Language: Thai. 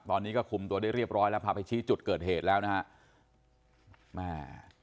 ตอนนี้ก็คุมตัวได้เรียบร้อยแล้วพาไปชี้จุดเกิดเหตุแล้วนะฮะแม่